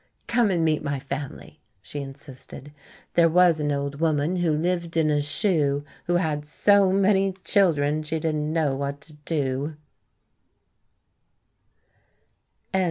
"Come and meet my family," she insisted. "There was an old woman who lived in a shoe, who had so many children she didn't know what to do."